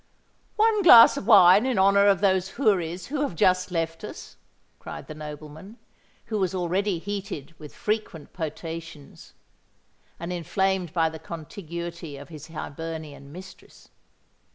"One glass of wine in honour of those houris who have just left us!" cried the nobleman, who was already heated with frequent potations, and inflamed by the contiguity of his Hibernian mistress.